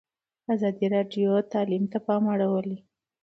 ازادي راډیو د تعلیم ته پام اړولی.